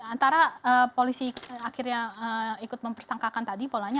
antara polisi akhirnya ikut mempersangkakan tadi polanya